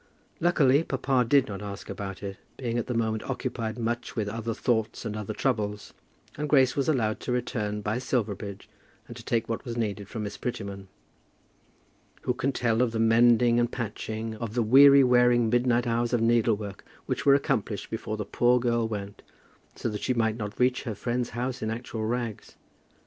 Luckily papa did not ask about it, being at the moment occupied much with other thoughts and other troubles, and Grace was allowed to return by Silverbridge, and to take what was needed from Miss Prettyman. Who can tell of the mending and patching, of the weary wearing midnight hours of needlework which were accomplished before the poor girl went, so that she might not reach her friend's house in actual rags?